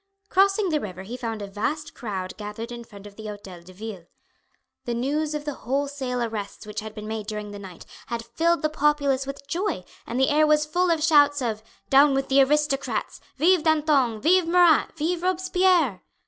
Crossing the river he found a vast crowd gathered in front of the Hotel de Ville. The news of the wholesale arrests which had been made during the night had filled the populace with joy, and the air was full of shouts of "Down with the Aristocrats!" "Vive Danton! Vive Marat! Vive Robespierre!"